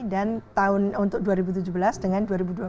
dan tahun untuk dua ribu tujuh belas dengan dua ribu dua belas